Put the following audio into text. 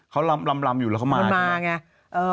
เขาลำอยู่แล้วเขามามันมาไง